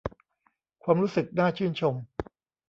ความรู้สึกน่าชื่นชม